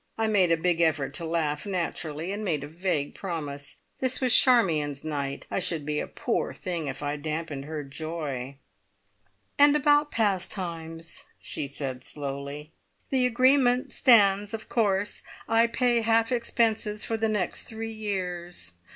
I made a big effort to laugh naturally, and made a vague promise. This was Charmion's night. I should be a poor thing if I damped her joy! "And about `Pastimes,'" she said slowly. "The agreement stands, of course. I pay half expenses for the next three years.